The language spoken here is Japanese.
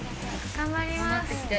頑張ります！